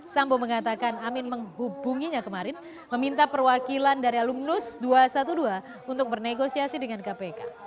sambo mengatakan amin menghubunginya kemarin meminta perwakilan dari alumnus dua ratus dua belas untuk bernegosiasi dengan kpk